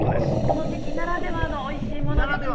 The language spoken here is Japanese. この時期ならではのおいしいものですね。